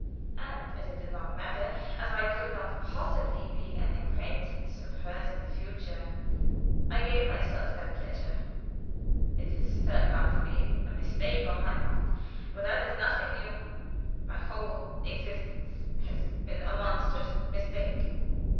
And as it did not matter, as I could not possibly be an acquaintance of hers in the future, I gave myself that pleasure then. It has turned out a mistake on my part, but that is nothing new; my whole existence has been a monstrous mistake.